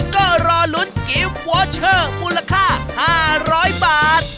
ก็รอลุ้นเกมวอร์เชอร์มูลค่า๕๐๐บาท